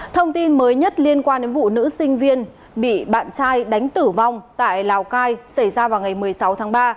thông tin mới nhất liên quan đến vụ nữ sinh viên bị bạn trai đánh tử vong tại lào cai xảy ra vào ngày một mươi sáu tháng ba